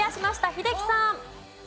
英樹さん。